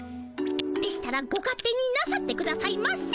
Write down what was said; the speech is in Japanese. でしたらご勝手になさってくださいませ。